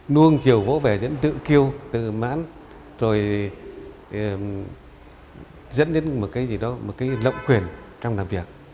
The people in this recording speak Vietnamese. nuông chiều vỗ về dẫn tự kêu tự mãn rồi dẫn đến một cái gì đó một cái lộng quyền trong làm việc